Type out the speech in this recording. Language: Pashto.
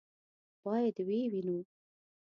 باید ویې وینو.